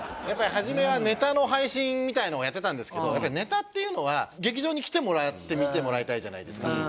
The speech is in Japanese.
やっぱり初めはネタの配信みたいなのをやってたんですけどやっぱりネタっていうのは劇場に来てもらって見てもらいたいじゃないですか。